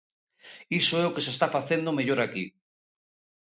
Iso é o que se está facendo mellor aquí.